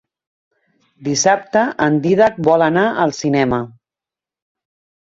Dissabte en Dídac vol anar al cinema.